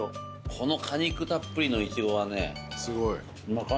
この果肉たっぷりのイチゴはねなかなか。